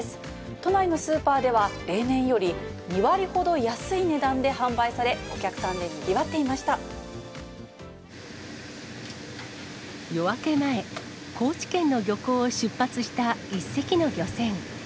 都内のスーパーでは、例年より２割ほど安い値段で販売され、お客さんでにぎわっていま夜明け前、高知県の漁港を出発した１隻の漁船。